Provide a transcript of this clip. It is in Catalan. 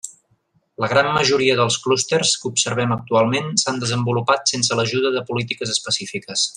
La gran majoria dels clústers que observem actualment s'han desenvolupat sense l'ajuda de polítiques específiques.